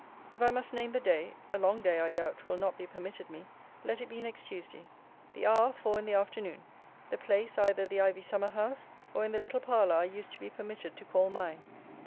If I must name the day, (a long day, I doubt, will not be permitted me,) let it be next Tuesday. The hour, four in the afternoon. The place either the ivy summer house, or in the little parlour I used to be permitted to call mine.